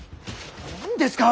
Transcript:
何ですか！